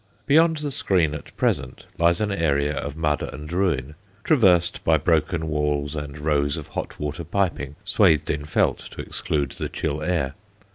Beyond the screen at present lies an area of mud and ruin, traversed by broken walls and rows of hot water piping swathed in felt to exclude the chill air.